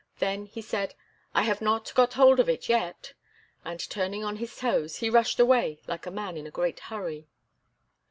Then he said: "I have not got hold of it yet." And, turning on his toes, he rushed away like a man in a great hurry.